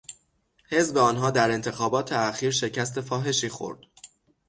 حزب آنها در انتخابات اخیر شکست فاحشی خورد.